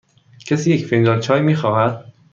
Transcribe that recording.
کسی یک فنجان چای می خواهد؟